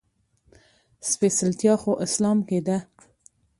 سپېڅلتيا خو اسلام کې ده.